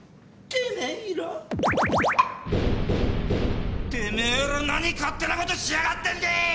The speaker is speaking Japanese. てめえら何勝手なことしやがってんでい！